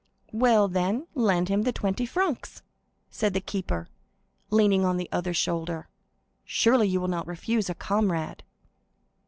"Well, then, lend him the twenty francs," said the keeper, leaning on the other shoulder; "surely you will not refuse a comrade!"